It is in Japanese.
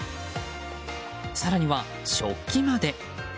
更には食器まで。